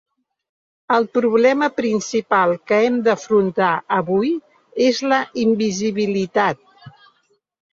El problema principal que hem d’afrontar avui és la invisibilitat.